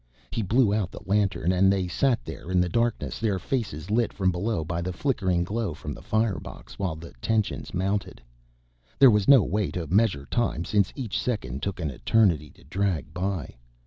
He blew out the lantern and they sat there in the darkness, their faces lit from below by the flickering glow from the firebox, while the tension mounted. There was no way to measure time since each second took an eternity to drag by.